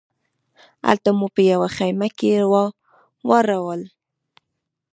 هلته مو په یوه خیمه کې واړول.